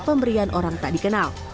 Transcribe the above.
pemberian orang tak dikenal